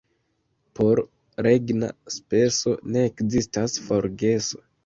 Por regna speso ne ekzistas forgeso.